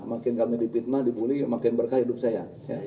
makin kami dipitnah dibully makin berkah hidup saya